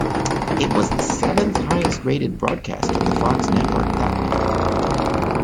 It was the seventh highest-rated broadcast on the Fox network that week.